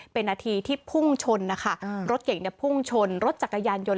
เป็นนาทีที่พุ่งชนนะคะรถเก่งเนี่ยพุ่งชนรถจักรยานยนต